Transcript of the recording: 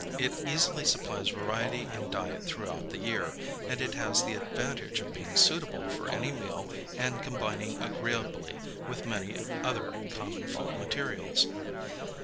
It easily supplies variety in diet throughout the year, and it has the advantage of being suitable for any meal and combining agreeably with many other common food materials.